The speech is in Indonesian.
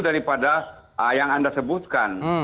daripada yang anda sebutkan